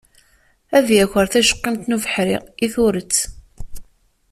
Ad yaker tajeqimt n ubeḥri i turet.